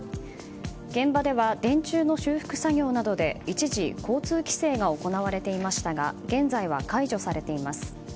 現場では電柱の修復作業などで一時、交通規制が行われていましたが現在は解除されています。